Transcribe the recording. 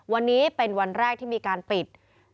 วันนี้เป็นวันแรกที่มีการปิด